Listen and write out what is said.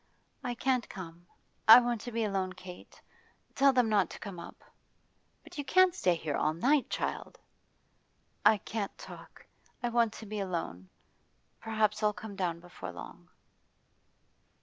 'I can't come. I want to be alone, Kate. Tell them not to come up.' 'But you can't stay here all night, child!' 'I can't talk. I want to be alone. Perhaps I'll come down before long.